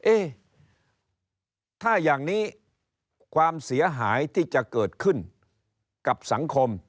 เอ๊ะถ้าอย่างนี้ความเสียหายที่จะเกิดขึ้นกับสังคม